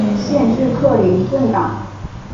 县治克林顿港。